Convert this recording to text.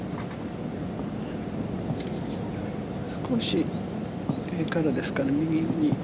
少し上からですかね。